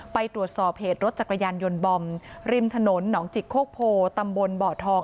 ไปตรวจสอบเหตุรถจักรยานยนต์บอมริมถนนหนองจิกโคกโพตำบลบ่อทอง